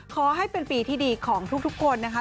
ขอให้เป็นปีที่ดีของทุกคนนะคะ